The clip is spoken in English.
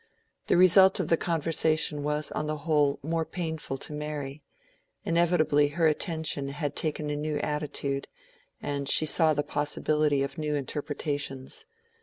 The result of the conversation was on the whole more painful to Mary: inevitably her attention had taken a new attitude, and she saw the possibility of new interpretations.